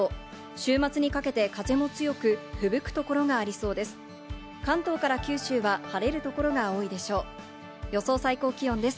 週末にかけて風も強く、ふぶく所がありそうです。